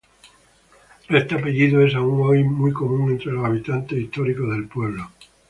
Este apellido es aún hoy muy común entre los habitantes históricos del pueblo.